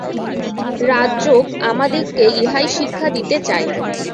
রাজযোগ আমাদিগকে ইহাই শিক্ষা দিতে চায়।